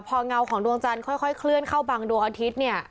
พอเงาของดวงจันทร์ค่อยเคลื่อนเข้าบังดวงอาทิตย์เนี่ย